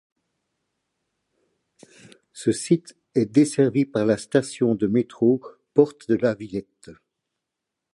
Ce site est desservi par la station de métro Porte de la Villette.